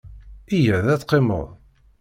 Yya-d ad teqqimeḍ.